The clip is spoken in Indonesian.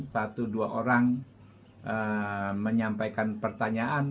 satu dua orang menyampaikan pertanyaan